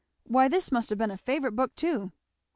Why this must have been a favourite book too."